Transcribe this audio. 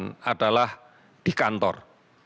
pertama di kantor